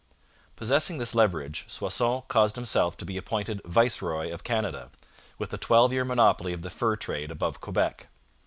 Possessing this leverage, Soissons caused himself to be appointed viceroy of Canada, with a twelve year monopoly of the fur trade above Quebec.